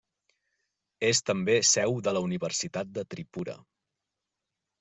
És també seu de la Universitat de Tripura.